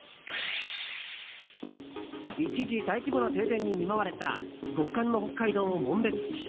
一時大規模な停電に見舞われた極寒の北海道紋別市。